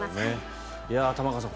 玉川さん